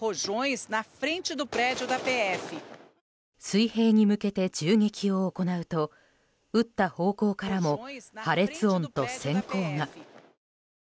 水平に向けて銃撃を行うと撃った方向からも破裂音と閃光が。